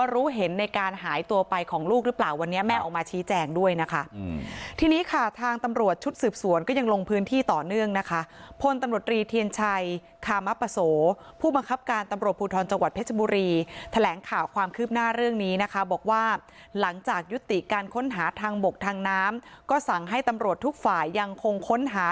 รู้เห็นในการหายตัวไปของลูกหรือเปล่าวันนี้แม่ออกมาชี้แจงด้วยนะคะทีนี้ค่ะทางตำรวจชุดสืบสวนก็ยังลงพื้นที่ต่อเนื่องนะคะพลตำรวจรีเทียนชัยคามปโสผู้บังคับการตำรวจภูทรจังหวัดเพชรบุรีแถลงข่าวความคืบหน้าเรื่องนี้นะคะบอกว่าหลังจากยุติการค้นหาทางบกทางน้ำก็สั่งให้ตำรวจทุกฝ่ายยังคงค้นหา